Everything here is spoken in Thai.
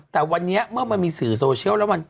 แต่วันนี้เมื่อมันมีสื่อโซเชียลแล้วมัน